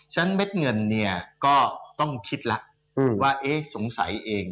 ฉะนั้นเม็ดเงินก็ต้องคิดละว่าสงสัยเอง